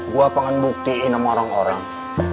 gue pengen buktiin sama orang orang